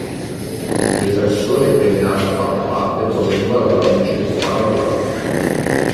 Le persone che ne hanno fatto parte provenivano da ogni ceto urbano e rurale.